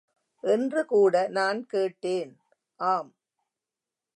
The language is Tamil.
என்று கூட நான் கேட்டேன். ஆம்!